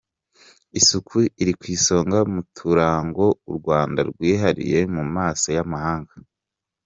Isuku iri ku isonga mu turango u Rwanda rwihariye mu maso y’amahanga.